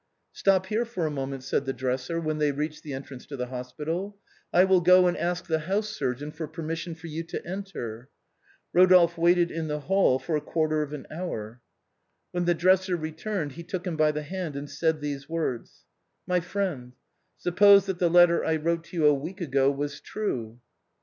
" Stop here for a moment," said the dresser, when they reached the entrance to the hospital, " I wnll go and ask the house surgeon for permission for you to enter." Eodolphe waited in the hall for a quarter of an hour. When the dresser returned he took him by the hand and said these words: "My friend, suppose that the letter I wrote to you a week ago was true